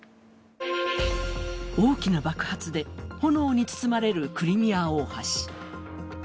大きな爆発で炎に包まれるクリミア大橋。